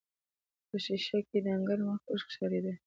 په ښيښه کې يې ډنګر مخ اوږد ښکارېده.